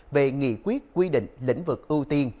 về nghị quyết quy định lĩnh vực ưu tiên